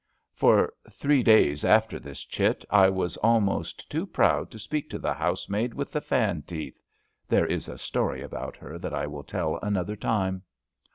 '' For three days after this chit I was almost too proud to speak to the housemaid with the fan teeth (there is a Story about her that I will tell another time).